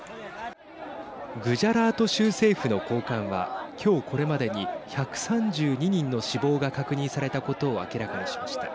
グジャラート州政府の高官は今日、これまでに１３２人の死亡が確認されたことを明らかにしました。